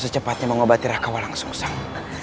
secepatnya mengobati raka walang sungusang